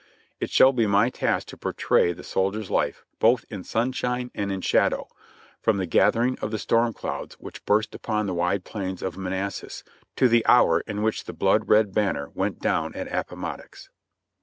It shall be my task to portray the soldier's life both in sunshine and in shadow, from the gathering of the storm clouds which burst upon the wide plains of Manassas, to the hour in which the blood red banner went down at Appomattox.